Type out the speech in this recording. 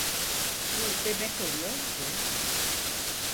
Bu demek oluyor ki…